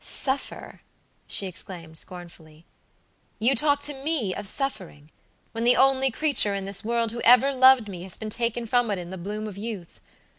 "Suffer!" she exclaimed, scornfully. "You talk to me of suffering, when the only creature in this world who ever loved me has been taken from it in the bloom of youth.